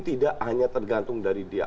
tidak hanya tergantung dari dia